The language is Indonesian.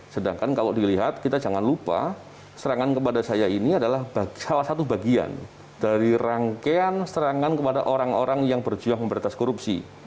sedangkan kalau dilihat kita jangan lupa serangan kepada saya ini adalah salah satu bagian dari rangkaian serangan kepada orang orang yang berjuang memberantas korupsi